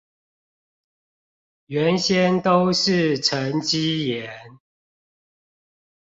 原先都是沈積岩